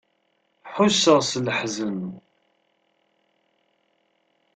Ḥusseɣ s leḥzen.